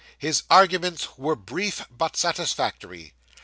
His arguments were brief but satisfactory.